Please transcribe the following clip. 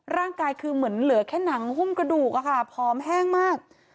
ร่างกายคือเหมือนเหลือแค่หนังหุ้มกระดูกอะค่ะผอมแห้งมาก